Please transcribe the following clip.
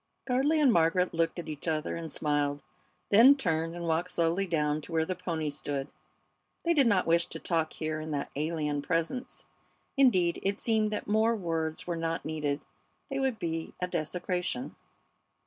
Gardley and Margaret looked at each other and smiled, then turned and walked slowly down to where the pony stood. They did not wish to talk here in that alien presence. Indeed, it seemed that more words were not needed they would be a desecration.